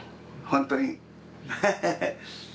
本当に。